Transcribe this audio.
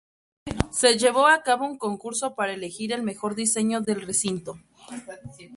Se llevó a cabo un concurso para elegir el mejor diseño del recinto.